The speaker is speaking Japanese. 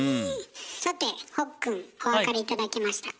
さてほっくんお分かり頂けましたか？